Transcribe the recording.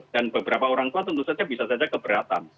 dan beberapa orang tua tentu saja bisa saja keberatan